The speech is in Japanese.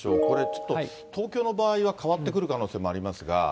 これちょっと、東京の場合は変わってくる可能性もありますが。